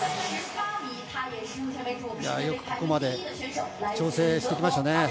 よくここまで調整してきましたね。